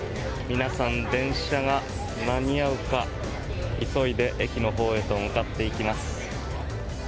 皆さん、電車が間に合うか急いで駅のほうへと向かっていきます。